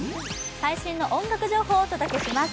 最新の音楽情報をお届けします。